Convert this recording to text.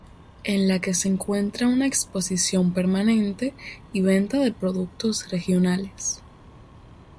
En la que se encuentra una exposición permanente y venta de productos regionales.